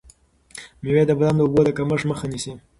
مېوې د بدن د اوبو د کمښت مخه نیسي.